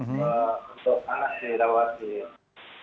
untuk anak ini rawat